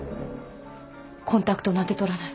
「コンタクトなんて取らない。